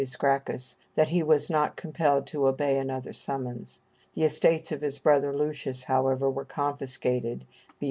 Gracchus that he was not compelled to obey another summons. The estates of his brother Lucius, however, were confiscated (B.